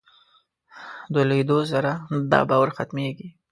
د لویېدو سره دا باور ختمېږي.